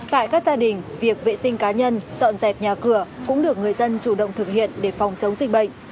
tại các gia đình việc vệ sinh cá nhân dọn dẹp nhà cửa cũng được người dân chủ động thực hiện để phòng chống dịch bệnh